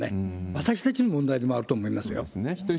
私たちの問題でもあると思いますよ。